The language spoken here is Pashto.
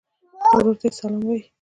ورور ته سلام وایې.